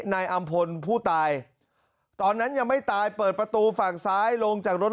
นายอำพลผู้ตายตอนนั้นยังไม่ตายเปิดประตูฝั่งซ้ายลงจากรถ